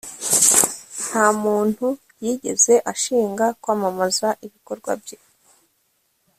nta muntu yigeze ashinga kwamamaza ibikorwa bye